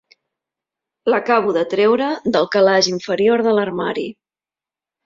L'acabo de treure del calaix inferior de l'armari.